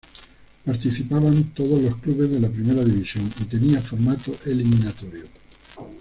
Participaban todos los clubes de la Primera División y tenía formato eliminatorio.